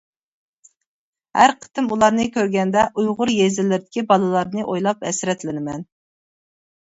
ھەر قېتىم ئۇلارنى كۆرگەندە، ئۇيغۇر يېزىلىرىدىكى بالىلارنى ئويلاپ، ھەسرەتلىنىمەن.